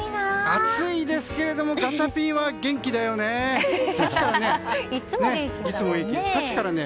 暑いですけどもガチャピンは元気だよね。